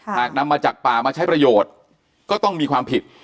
หากนำมาจากป่ามาใช้ประโยชน์ก็ต้องมีความผิด